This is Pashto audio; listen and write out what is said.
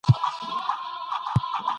ليک په بشپړه توګه وليکل سو.